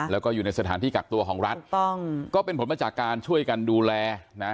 แล้วก็อยู่ในสถานที่กักตัวของรัฐถูกต้องก็เป็นผลมาจากการช่วยกันดูแลนะ